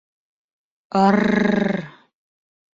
Ы-ыр-р!